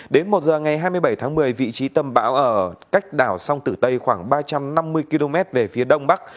đến một giờ ngày hai mươi bảy tháng một mươi vị trí tâm bão ở cách đảo sông tử tây khoảng ba trăm năm mươi km về phía đông bắc